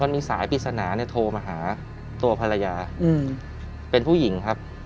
มีสายปริศนาโทรมาหาตัวภรรยาเป็นผู้หญิงครับ